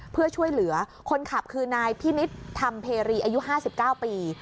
เพื่อช่วยเหลือคนขับคือนายพินิษฐ์ธรรมเพรีอายุ๕๙ปี